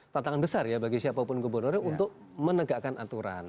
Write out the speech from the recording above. tantangan besar ya bagi siapapun gubernurnya untuk menegakkan aturan